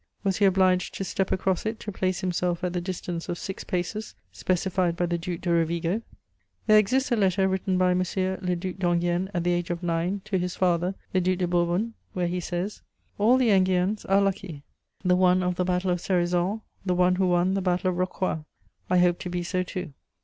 Was he obliged to step across it to place himself at the distance of "six paces" specified by the Duc de Rovigo. There exists a letter written by M. le Duc d'Enghien, at the age of nine, to his father the Duc de Bourbon; he says: "All the Enguiens are lucky; the one of the Battle of Cerizoles, the one who won the Battle of Rocroi: I hope to be so too."